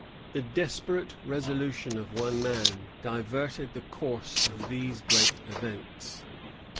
The desperate resolution of one man diverted the course of these great events.